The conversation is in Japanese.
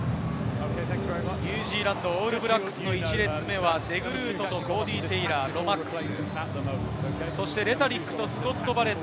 ニュージーランド、オールブラックスの１列目はデグルートとコーディー・テイラー、ロマックス。